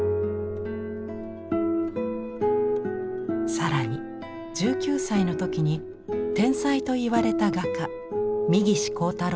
更に１９歳の時に天才といわれた画家三岸好太郎と結婚。